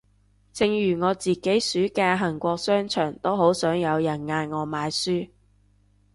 正如我自己暑假行過商場都好想有人嗌我買書